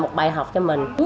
một bài học cho mình